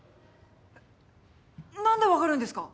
えっ何で分かるんですか！？